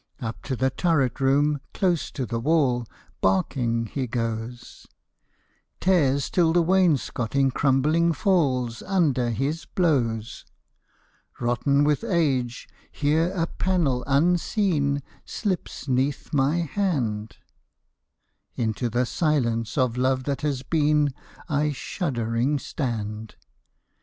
Up to the turret room, close to the wall. Barking he goes ; Tears till the wainscoting crumbling falls Under his blows. Rotten with age, here a panel unseen Slips 'neath my hand ; Into the silence of love that has been, I shuddering stand.